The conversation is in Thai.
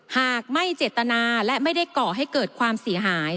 หากไม่เจตนาและไม่ได้ก่อให้เกิดความเสียหาย